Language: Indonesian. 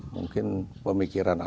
mungkin pemikiran alibaba